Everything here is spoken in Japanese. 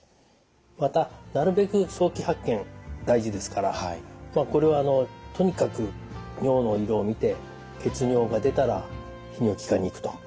またなるべく早期発見大事ですからこれはとにかく尿の色を見て血尿が出たら泌尿器科に行くと。